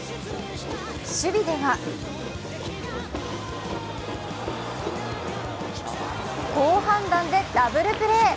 守備では好判断でダブルプレー。